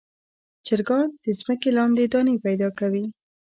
چرګان د ځمکې لاندې دانې پیدا کوي.